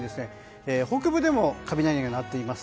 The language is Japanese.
北部でも雷が鳴っています。